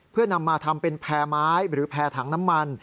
เพื่อนำมาทำเป็นแพร่ไม้หรือแพร่ถังน้ำมัน